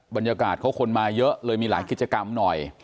บรรยากาศเขาคนมาเยอะเลยมีหลายกิจกรรมหน่อย